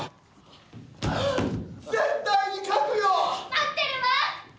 待ってるわ！